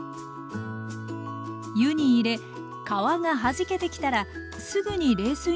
湯に入れ皮がはじけてきたらすぐに冷水にとりましょう。